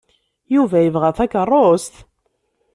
Yuba yebɣa takeṛṛust?